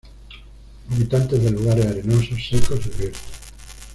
Habitantes de lugares arenosos, secos y abiertos.